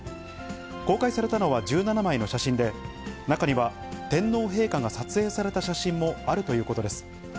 公開されたのは１７枚の写真で、中には、天皇陛下が撮影された写真もあるということです。